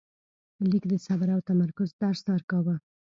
لیک د صبر او تمرکز درس ورکاوه.